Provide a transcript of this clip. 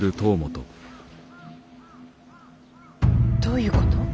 どういうこと。